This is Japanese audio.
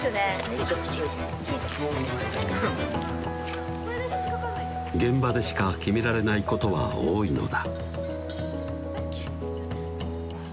めちゃくちゃいいいいじゃんよかった現場でしか決められないことは多いのだ